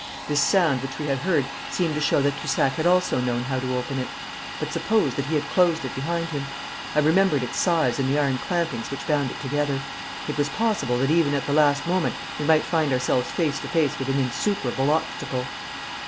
This sound which we had heard seemed to show that Toussac had also known how to open it. But suppose that he had closed it behind him. I remembered its size and the iron clampings which bound it together. It was possible that even at the last moment we might find ourselves face to face with an insuperable obstacle.